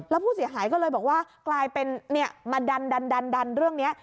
แล้วผู้เสียหายก็เลยบอกว่ากลายเป็นมาดันเรื่องนี้